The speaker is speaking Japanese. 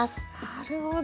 なるほど。